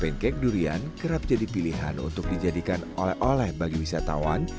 pancake durian kerap jadi pilihan untuk dijadikan oleh oleh bagi wisatawan